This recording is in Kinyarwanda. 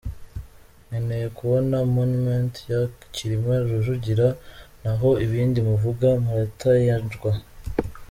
Nkeneye kubona monument ya Cyilima Rujugira, naho ibindi muvuga muratayanjwa!.